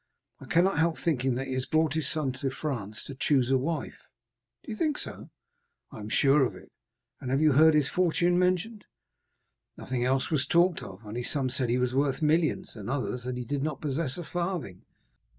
I cannot help thinking that he has brought his son to France to choose a wife." "Do you think so?" "I am sure of it." "And you have heard his fortune mentioned?" "Nothing else was talked of; only some said he was worth millions, and others that he did not possess a farthing."